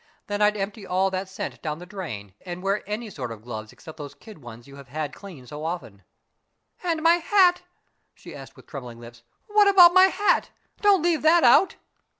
Then I'd empty all that scent down the drain, and wear any sort of gloves except those kid ones you have had cleaned so often." "And my hat?" she asked with trembling lips. "What about my hat? Don't leave that out."